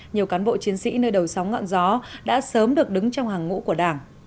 nhiều cán bộ chiến sĩ nơi đầu sóng ngọn gió đã sớm được đứng trong hàng ngũ của đảng